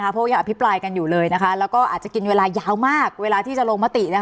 เพราะว่ายังอภิปรายกันอยู่เลยแล้วก็อาจจะกินเวลายาวมากเวลาที่จะลงมติ